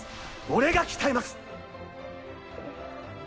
俺が鍛えます。